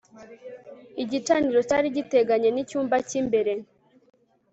igicaniro cyari giteganye n icyumba cy imbere